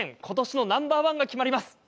ことしのナンバー１が決まります。